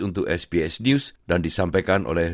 untuk sbs news dan disampaikan oleh